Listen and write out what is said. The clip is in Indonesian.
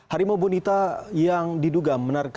harimau bunita yang diduga menarik